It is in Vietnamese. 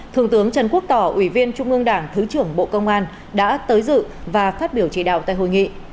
thượng tướng trần quốc tỏ ủy viên trung ương đảng thứ trưởng bộ công an đã tới dự và phát biểu chỉ đạo tại hội nghị